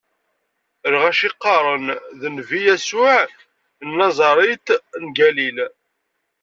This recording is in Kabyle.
Lɣaci qqaren: D nnbi Yasuɛ n Naṣarit n Galil.